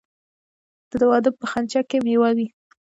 د واده په خنچه کې میوه وي.